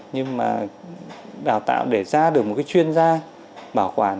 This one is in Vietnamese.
nhưng mà đào tạo để ra được một cái chuyên gia bảo quản